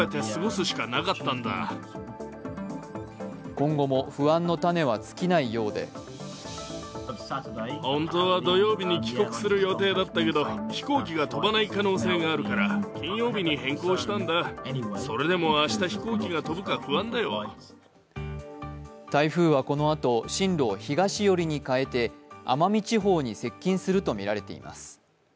今後も不安の種は尽きないようで台風はこのあと進路を東寄りに変えて奄美地方に接近するとみられています。